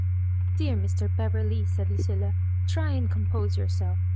"Dear Mr. Beverley," said Lucilla, "try and compose yourself.